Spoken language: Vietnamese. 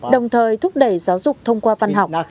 đồng thời thúc đẩy giáo dục thông qua văn học